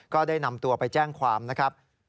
ก็ได้นำตัวไปแจ้งความนะครับ